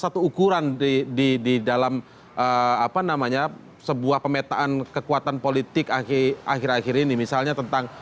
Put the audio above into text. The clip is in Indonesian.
satu ukuran di dalam apa namanya sebuah pemetaan kekuatan politik akhir akhir ini misalnya tentang